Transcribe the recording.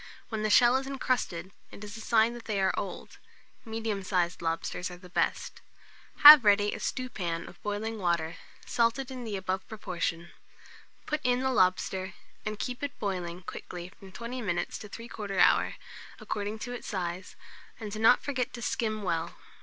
When the shell is incrusted, it is a sign they are old: medium sized lobsters are the best. Have ready a stewpan of boiling water, salted in the above proportion; put in the lobster, and keep it boiling quickly from 20 minutes to 3/4 hour, according to its size, and do not forget to skim well.